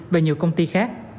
và nhiều công ty khác